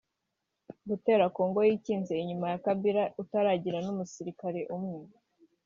Gutera Congo yikinze inyuma ya Kabila utaragiraga n’umusirikare umwe